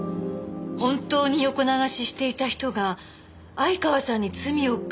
本当に横流ししていた人が相川さんに罪をかぶせたって事？